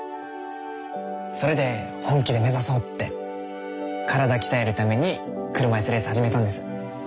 それで本気で目指そうって体鍛えるために車いすレース始めたんです。